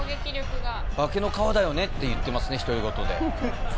ばけのかわだよねって言ってますね独り言で。